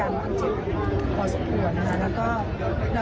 แล้วก็เราได้พักผู้เล่นอีก๒คนซึ่งเก็บกว่าเราหลังเลย